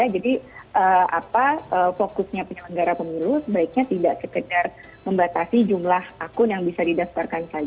jadi fokusnya penyelenggara pemilu sebaiknya tidak sekedar membatasi jumlah akun yang bisa didaftarkan